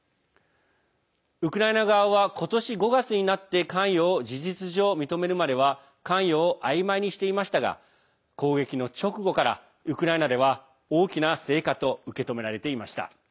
ウクライナ側は今年５月になって関与を事実上、認めるまでは関与をあいまいにしていましたが攻撃の直後からウクライナでは大きな成果と受け止められていました。